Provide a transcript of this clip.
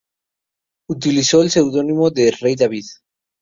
Utilizó el seudónimo de "David Rey".